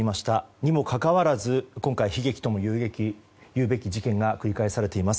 にもかかわらず今回、悲劇ともいうべき事件が繰り返されています。